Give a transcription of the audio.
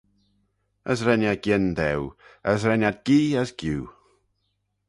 As ren eh gien daue, as ren ad gee as giu.